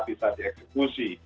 bisa di eksekusi